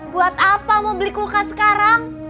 buat apa mau beli kulkas sekarang